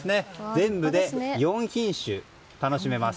全部で４品種楽しめます。